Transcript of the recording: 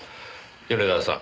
米沢さん。